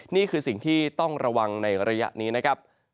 นี่คือสิ่งที่ต้องระวังในระยะนี้นะครับ